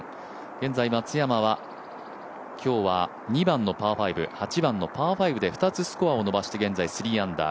現在松山は２番のパー５、８番のパー５で２つスコアを伸ばして現在３アンダー。